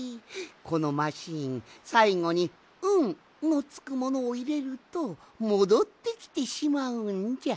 このマシーンさいごに「ん」のつくものをいれるともどってきてしまうんじゃ。